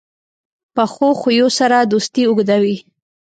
پخو خویو سره دوستي اوږده وي